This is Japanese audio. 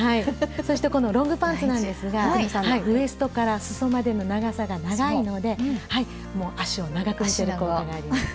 そしてこのロングパンツなんですがウエストからすそまでの長さが長いので足を長く見せる効果があります。